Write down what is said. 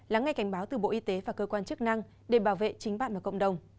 lắng nghe cảnh báo từ bộ y tế và cơ quan chức năng để bảo vệ chính bạn và cộng đồng